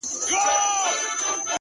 جنته ستا د مخ د لمر رڼا ته درېږم _